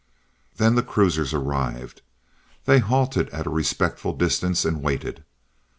Then the cruisers arrived. They halted at a respectful distance, and waited.